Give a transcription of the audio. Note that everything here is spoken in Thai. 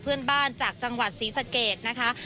เพื่อนบ้านจากจังหวัดศรีสะเกดนะคะ